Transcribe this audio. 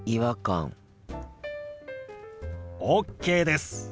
ＯＫです。